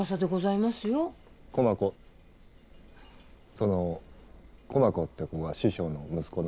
その駒子って子が師匠の息子の？